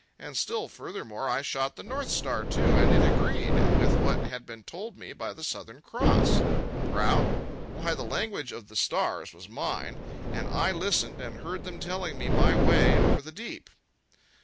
And still furthermore, I shot the North Star, too, and it agreed with what had been told me by the Southern Cross. Proud? Why, the language of the stars was mine, and I listened and heard them telling me my way over the deep.